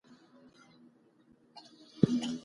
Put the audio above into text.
زردالو د افغانستان د طبیعت د ښکلا یوه برخه ده.